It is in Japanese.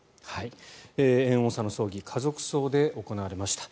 猿翁さんの葬儀家族葬で行われました。